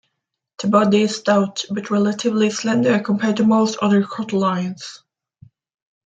The body is stout, but relatively slender compared to most other crotalines.